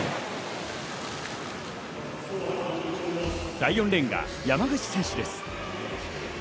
第４レーンが山口選手です。